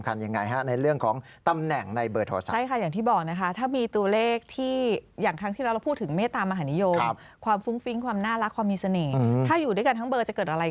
ก็เลยอาจารย์บอกว่าอยู่ด้วยกันไม่ได้